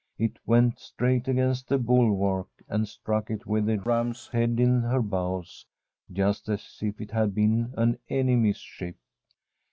It went straight against the bulwark, and struck it with the ram's head in her bows, just as if it had been an enemy's ship.